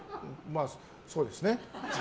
そうですね。